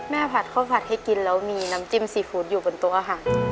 แม่ผัดข้อผัดให้กินแล้วมีน้ำจิ้มซีฟูดอยู่บนตัวอาหาร